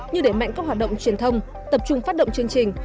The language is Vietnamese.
như để mạnh các hoạt động truyền thông tập trung phát động chương trình